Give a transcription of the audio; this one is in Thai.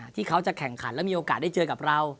ที่เขาจะแข่งขันแล้วมีโอกาสได้เจอกับเรา